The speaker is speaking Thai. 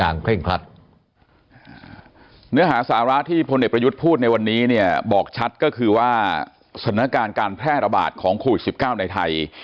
เนื้อหาสาระที่พพฤหญิตก็อธิบายเสียไป